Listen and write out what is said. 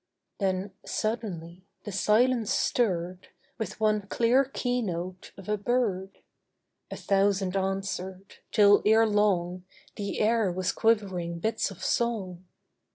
Then suddenly the silence stirred With one clear keynote of a bird; A thousand answered, till ere long The air was quivering bits of song.